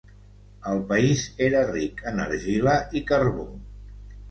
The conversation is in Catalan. El país era ric en argila i carbó.